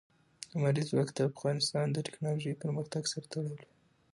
لمریز ځواک د افغانستان د تکنالوژۍ پرمختګ سره تړاو لري.